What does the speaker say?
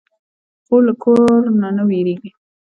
خور له کار نه نه وېرېږي.